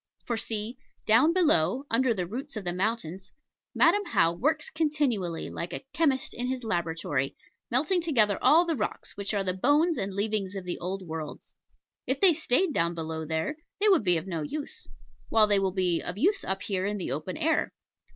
For see down below, under the roots of the mountains, Madam How works continually like a chemist in his laboratory, melting together all the rocks, which are the bones and leavings of the old worlds. If they stayed down below there, they would be of no use; while they will be of use up here in the open air.